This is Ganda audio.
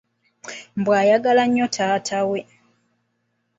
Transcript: Mbu ayagala nnyo taata we!